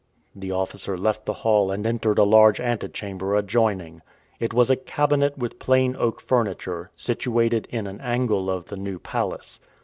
The officer left the hall and entered a large antechamber adjoining. It was a cabinet with plain oak furniture, situated in an angle of the New Palace.